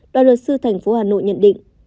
đoàn luật sư thành phố hà nội nhận định